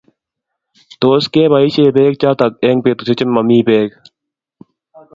Tos kibaishe peek chotok eng' petushek che mami peek